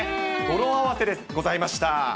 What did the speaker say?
語呂合わせでございました。